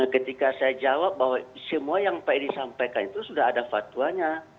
ketika saya jawab bahwa semua yang pak edi sampaikan itu sudah ada fatwanya